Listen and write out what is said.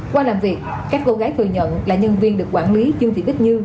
qua làm việc các cô gái thừa nhận là nhân viên được quản lý dương vị bích như